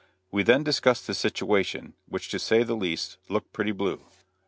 We then discussed the situation, which to say the least, looked pretty blue.